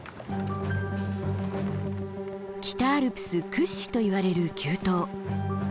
北アルプス屈指といわれる急登。